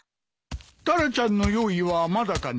タラちゃんの用意はまだかな？